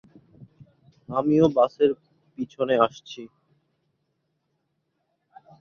আমিও বাসের পিছনে আসছি।